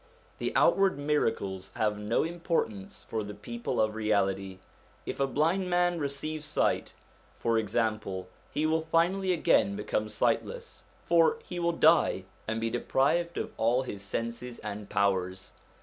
The outward miracles have no importance for the people of Reality. If a blind man receive sight, for example, he will finally again become sightless, for he will die, and be deprived of all his senses and powers.